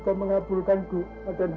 bahwa dengan hanya satu malam